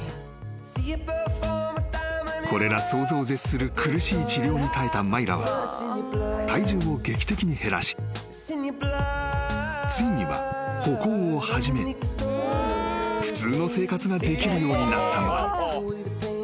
［これら想像を絶する苦しい治療に耐えたマイラは体重を劇的に減らしついには歩行を始め普通の生活ができるようになったのだ］